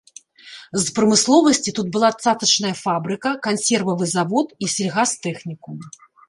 З прамысловасці тут была цацачная фабрыка, кансервавы завод і сельгастэхнікум.